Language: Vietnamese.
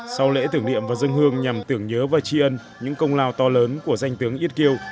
sau lễ tưởng niệm và dân hương nhằm tưởng nhớ và tri ân những công lao to lớn của danh tướng yết kiêu